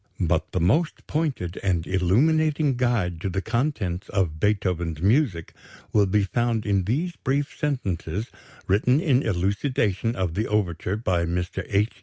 But the most pointed and illuminating guide to the contents of Beethoven's music will be found in these brief sentences written in elucidation of the overture by Mr. H.